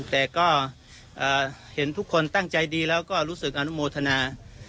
แต่ก็เห็นทุกคนตั้งใจดีแล้วก็รู้สึกอนุโมทนา